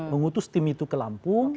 mengutus tim itu ke lampung